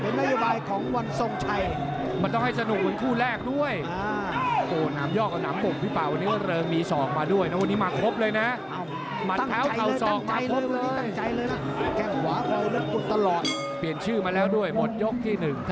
แน่นอกแน่นอกแน่นอกแน่นอกแน่นอกแน่นอกแน่นอกแน่นอกแน่นอก